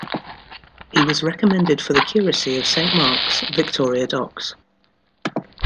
He was recommended for the curacy of Saint Mark's, Victoria Docks.